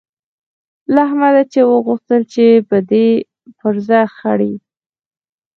له احمده چې څه وغوښتل شي؛ دی پزه خرېي.